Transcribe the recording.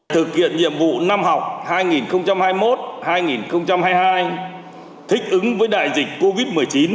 thực hiện nhiệm vụ năm học hai nghìn hai mươi một hai nghìn hai mươi hai thích ứng với đại dịch covid một mươi chín